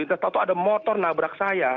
tentu ada motor nabrak saya